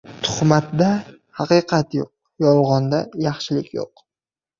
• Tuhmatda haqiqat yo‘q, yolg‘onda yaxshilik yo‘q.